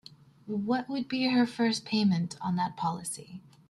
What would be her first payment on that policy?